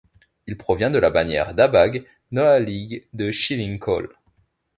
Il provient de la bannière d'Abag, dans la ligue de Xilin Gol.